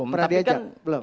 pernah diajak belum